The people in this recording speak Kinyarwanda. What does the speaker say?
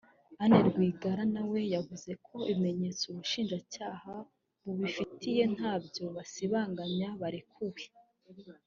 Anne Rwigara nawe yavuze ko ibimenyetso ubushinjacyaha bubifite ntabyo basibanganya barekuwe